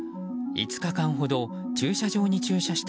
５日間ほど駐車場に駐車した